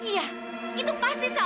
iya itu pasti salah